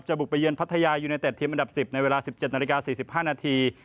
บุกไปเยือนพัทยายูเนเต็ดทีมอันดับ๑๐ในเวลา๑๗นาฬิกา๔๕นาที